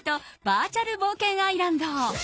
バーチャル冒険アイランド。